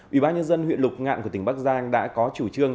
ủy ban nhân dân huyện lục ngạn của tỉnh bắc giang đã có chủ trương